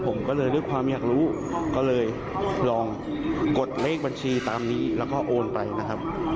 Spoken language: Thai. ผมก็เลยด้วยความอยากรู้ก็เลยลองกดเลขบัญชีตามนี้แล้วก็โอนไปนะครับ